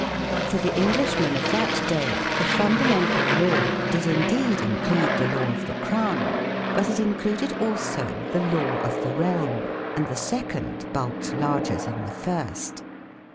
For the Englishmen of that day the "fundamental law " did indeed include the law of the Crown, but it included also the law of the realm, and the second bulked larger than the first.